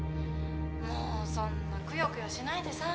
もうそんなくよくよしないでさ。